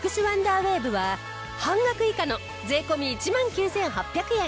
ワンダーウェーブは半額以下の税込１万９８００円。